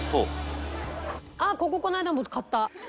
こここの間も買った！